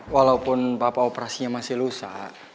walaupun papa operasinya masih lusa